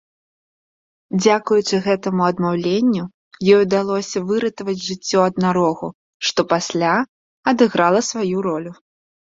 Дзякуючы гэтаму адмаўленню ёй удалося выратаваць жыццё аднарогу, што пасля адыграла сваю ролю.